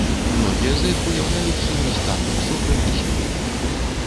Многія з іх уяўляюць сумесь танных сокаў і спірту.